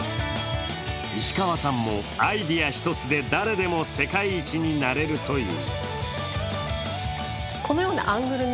石川さんも、アイデア一つで誰でも世界一になれるという。